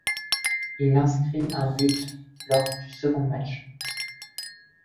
Il inscrit un but lors du second match.